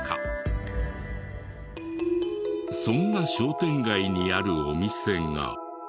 そんな商店街にあるお店が。